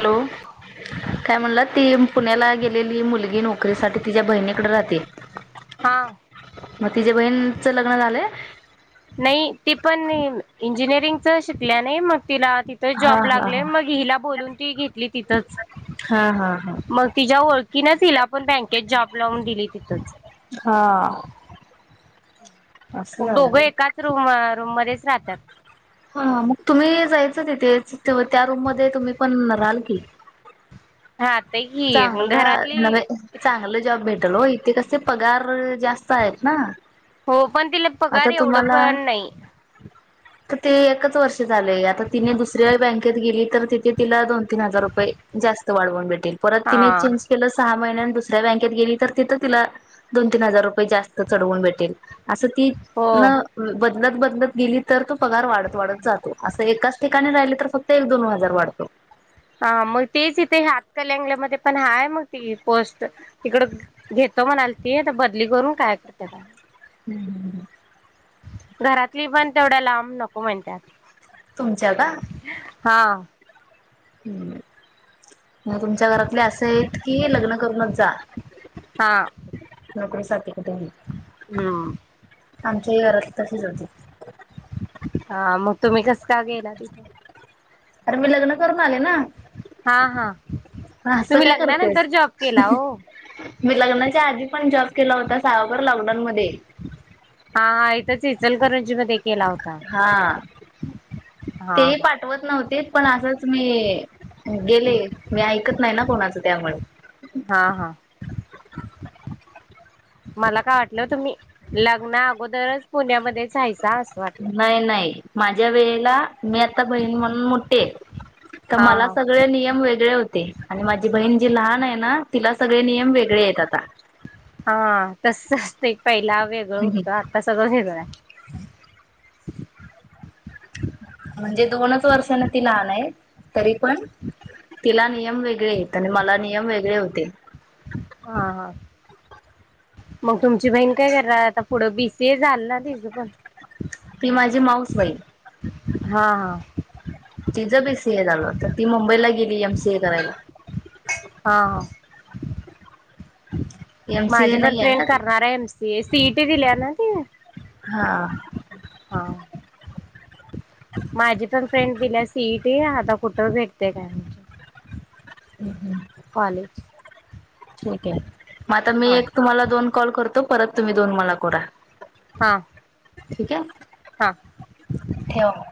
Hello काय म्हणलात ती पुण्याला गेलेली मुलगी नोकरीसाठी तिच्या बहिणीकडे राहते हा मग तिझ्या बहीणचं लग्न झालंय? नाही ती पण इंजिनिअरिंगच शिकल्या नाही मग तिला ती ते हा जॉब हा लागले हा मग हिला बोलून ती घेतली तिथंच हा हा हा मग तिच्या ओळखीनच हिला पण बँकेत जॉब लावून दिली तिथंच हा असं मग झालं दोघं व्हय एकाच रूम रूम मध्येच राहत्यात हा मग तुम्हीही जायचं तिथेचं त्या रूम मध्ये तुम्ही पण रहाल की हात चांगलं नव्हे चांगलं जॉब भेट ल ओ इथे कसे पगार जास्त आहेत ना हो पण तिला पगार एवढं पण नाही तिथे एकच वर्ष झालेय आता तिने दुसऱ्या बँकेत गेली तर तिथे तिला दोन तीन हजार रुपये जास्त वाढवून भेटेल परत तिने हा चेंज केलं सहा महिन्यानं दुसऱ्या बँकेत गेली तर तिथं तिला दोन तीन हजार रुपये जास्त चढवून भेटेल असं ती हो न बदलत बदलत गेली तर तो पगार वाढत वाढत जातो असं एकाच ठिकाणी राहिली तर फक्त एक दोन हजार वाढतो हा मग तेच इथे हातकणंगले मध्ये पण हाय मग ती पोस्ट तिकड घेतो म्हणालती तर बदली करून काय करत्या काय माहि हम्म्म्म घरातली पण तेवढ्या लांब नको म्हणत्यात तुमच्या का? हा हम्म मग तुमच्या घरातले असे आहेत की लग्न करूनच जा हां नोकरी साठी कुठेही हम्म्म्म आमच्याही घरातले तशीच होती हा मग तुम्ही कस का गेला तिथं? खरं मी लग्न करून आले ना हा हा असं तुम्ही काय करतेस लग्नानंतर जॉब केला ओ मी लग्नाच्या आधी पण जॉब केला होता सहाभर लॉकडाऊनमध्ये हा हा इथंच इचलकरंजी मध्ये केला होता हा हा तेही हा पाठवत नव्हतीत पण असंच मी गेले मी ऐकत नाही ना कोणाचं त्यामुळे हा हा मला काय वाटलं तुम्ही लग्ना अगोदरच पुण्यामध्येच हाय सा असं वाटलं नाही नाही माझ्या वेळेला मी आता बहीण म्हणून मोठी हाय तर हा मला सगळे नियम वेगळे होते आणि माझी बहीण जी लहान आहे ना तिला सगळे नियम वेगळे आहेत आता हा तसच ते पहिला वेगळं होत आता सगळं वेगळं आहे. म्हणजे दोनच वर्षने ती लहान आहे तरी पण तिला नियम वेगळे येत आणि मला नियम वेगळे होते. हा हा मग तुमची बहीण काय कररा आता पुढं बीसीए झाल ना तिचं पण. ती माझी माऊसबाईल. हा हा तिचं बीसीए झालं तर ती मुंबईला गेली एमसीए करायला. हा हा एम सीए माझी पण नाही आहे ना फ्रेंड ती. करणार आहे एमसी ए, सीट दिल्या ना ती? हा हा माझी पण फ्रेंड दिल्या सीईट आता कुठं भेटते काय? हम् हम्म कॉलेज ठीक आहे मग आता मी हा एक तुम्हाला दोन कॉल करतो परत तुम्ही दोन मला करा. हा ठीक आहे हा ठेव.